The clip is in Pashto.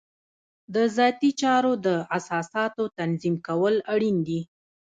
د ذاتي چارو د اساساتو تنظیم کول اړین دي.